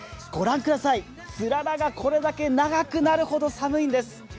御覧ください、つららがこれだけ長くなるほど寒いんです。